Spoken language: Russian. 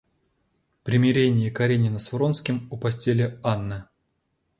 Примирение Каренина с Вронским у постели Анны.